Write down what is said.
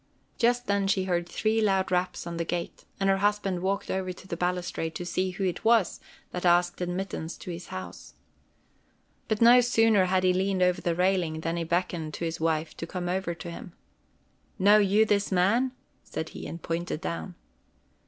Just then she heard three loud raps on the gate, and her husband walked over to the balustrade to see who it was that asked admittance to his house. But no sooner had he leaned over the railing, than he beckoned to his wife to come over to him. "Know you not this man?" said he, and pointed down.